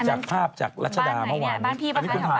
จากภาพจากรัชดาเมื่อวาน